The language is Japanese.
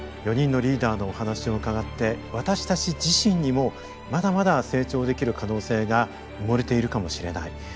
４人のリーダーのお話を伺って私たち自身にもまだまだ成長できる可能性が埋もれているかもしれない。